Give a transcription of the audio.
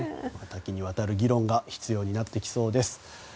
多岐にわたる議論が必要になってきそうです。